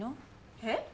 えっ？